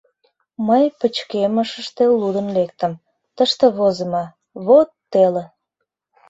— Мый пычкемышыште лудын лектым, тыште возымо: «Вот теле!